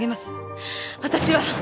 私は。